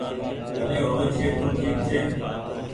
گھري هووي ڇي تو ٺيڪ ڇي۔